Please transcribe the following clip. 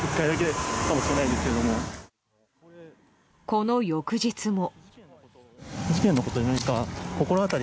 この翌日も。